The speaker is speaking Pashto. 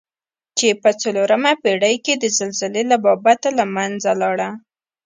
چې په څلورمه پېړۍ کې د زلزلې له بابته له منځه لاړه.